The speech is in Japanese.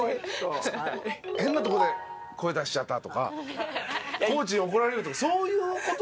変なとこで声出しちゃったとかコーチに怒られるとかそういう事はないですか？